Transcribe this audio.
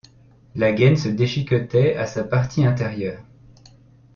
La gaine se déchiquetait à sa partie intérieure.